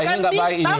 ini nggak baik ini